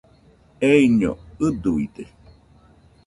Eiño ɨduide